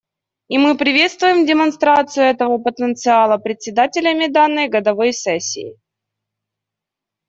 И мы приветствуем демонстрацию этого потенциала председателями данной годовой сессии.